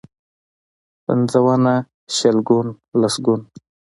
پنځونه، شلګون ، لسګون.